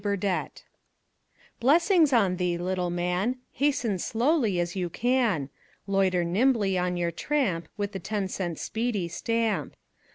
BURDETTE Blessings on thee, little man, Hasten slowly as you can; Loiter nimbly on your tramp With the ten cent speedy stamp.